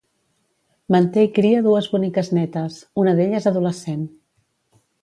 Manté i cria dues boniques nétes, una d'elles adolescent.